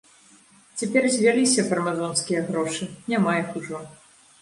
Цяпер звяліся фармазонскія грошы, няма іх ужо.